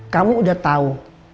kamu udah tau